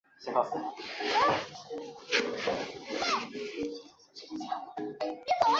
李任与指挥顾福帅精骑出城掩击袭击。